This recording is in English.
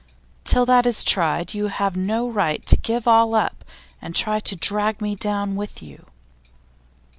Till that is tried, you have no right to give all up and try to drag me down with you.